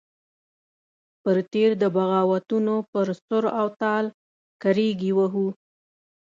پر تېر د بغاوتونو پر سور او تال کرېږې وهو.